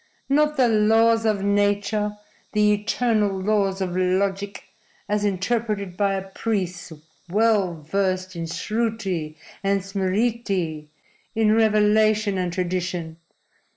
Not the laws of nature, the eternal laws of logic, as interpreted by a priest well versed in Sruti and Smriti in revelation and tradition.